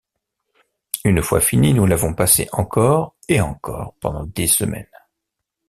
Une fois fini, nous l'avons passé encore et encore pendant des semaines.